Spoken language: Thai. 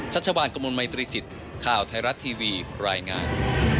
ชัชวานกระมวลมัยตรีจิตข่าวไทยรัฐทีวีรายงาน